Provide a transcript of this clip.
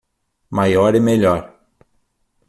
Maior e melhor